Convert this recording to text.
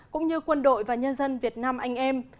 cũng như quân đội và nhân dân việt nam anh em